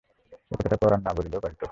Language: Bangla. এ কথাটা পরাণ না বলিলেও পারিত।